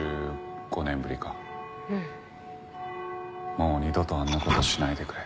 もう二度とあんな事しないでくれ。